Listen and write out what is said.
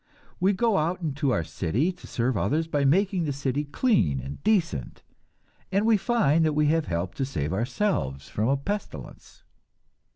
We go out into our city to serve others by making the city clean and decent, and we find that we have helped to save ourselves from a pestilence.